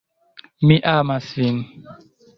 Mi amas vin!